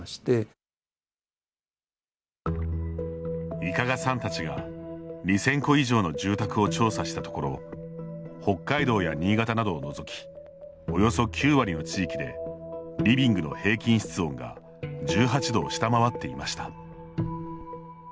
伊香賀さんたちが２０００戸以上の住宅を調査したところ北海道や新潟などをのぞきおよそ９割の地域でリビングの平均室温が１８度を下回っていました。